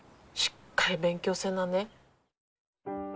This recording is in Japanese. しっかり勉強せなね。